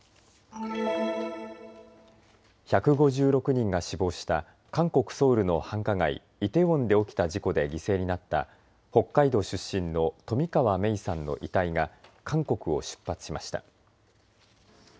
１５６人が死亡した韓国ソウルの繁華街、イテウォンで起きた事故で犠牲になった北海道出身の冨川芽生さんの遺体が韓国を出発しました。